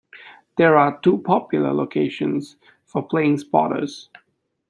There are two popular locations for plane spotters.